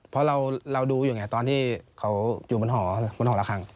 เพราะเราดูอยู่ไงตอนที่เขาอยู่บนหอบนหอละครั้ง